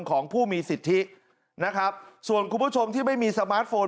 ของผู้มีสิทธินะครับส่วนคุณผู้ชมที่ไม่มีสมาร์ทโฟน